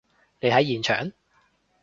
你喺現場？